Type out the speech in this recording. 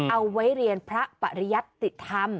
เอาไว้เรียนพระปริยัติธรรม